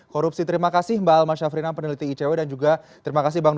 distribusinya yang tadi juga disebutkan